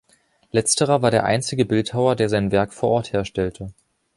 Letzterer war der einzige Bildhauer, der sein Werk vor Ort herstellte.